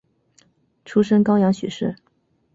出身高阳许氏。